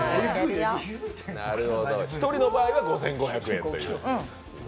１人の場合は５５００円という。